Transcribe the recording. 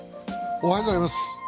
おはようございます。